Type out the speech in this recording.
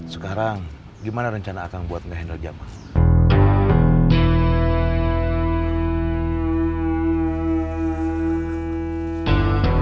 sekarang gimana rencana kang buat ngehandle jamal